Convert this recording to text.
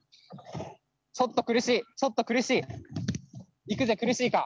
ちょっと苦しいちょっと苦しいイクゼ苦しいか！？